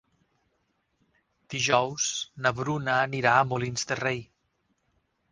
Dijous na Bruna anirà a Molins de Rei.